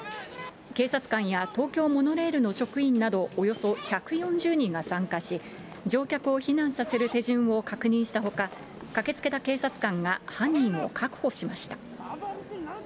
警察官や東京モノレールの職員などおよそ１４０人が参加し、乗客を避難させる手順を確認したほか、駆けつけた警察官が犯人を確保しました。